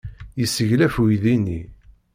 Yesseglef uydi-nni.